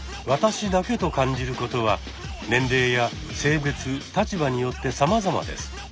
私だけと感じることは年齢や性別立場によってさまざまです。